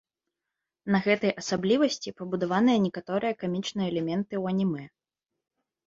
На гэтай асаблівасці пабудаваныя некаторыя камічныя элементы ў анімэ.